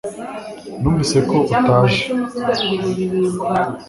numvise ko utaje